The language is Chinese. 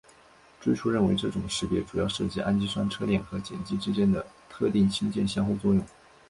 最初认为这种识别主要涉及氨基酸侧链和碱基之间的特定氢键相互作用。